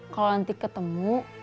kalau nanti ketemu